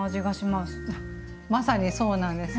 まさにそうなんです。